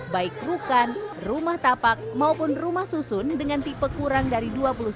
baik rukan rumah tapak maupun rumah susun dengan tipe kurang dari dua puluh satu